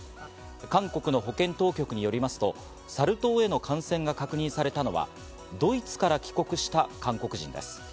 韓国の保健当局によりますと、サル痘への感染が確認されたのはドイツから帰国した韓国人です。